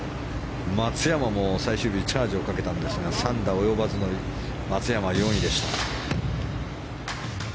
松山も最終日チャージをかけたんですが３打及ばずの松山、４位でした。